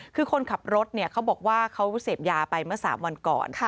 คือคนขับรถเขาบอกว่าเขาเสพยาไปเมื่อ๓วันก่อน